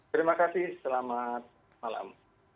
terima kasih selamat malam